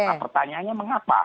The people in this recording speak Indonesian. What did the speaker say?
nah pertanyaannya mengapa